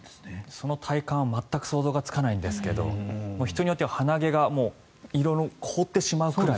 その体感は全く想像がつかないんですが人によっては鼻毛が凍ってしまうぐらい。